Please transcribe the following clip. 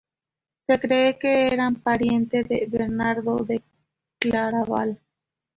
Se cree que era pariente de Bernardo de Claraval.